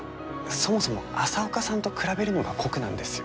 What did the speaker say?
そもそも朝岡さんと比べるのが酷なんですよ。